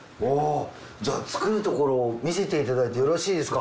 じゃあ作るところを見せていただいてよろしいですか？